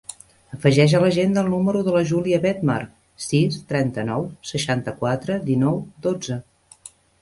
Afegeix a l'agenda el número de la Júlia Bedmar: sis, trenta-nou, seixanta-quatre, dinou, dotze.